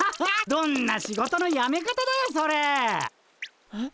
どんな仕事のやめ方だよそれ！えっ。